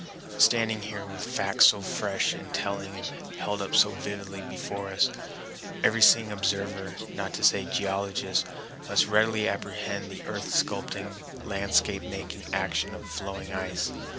Standing here, with facts so fresh and telling and held up so vividly before us, every seeing observer, not to say geologist, must readily apprehend the earth sculpturing, landscape making action of flowing ice.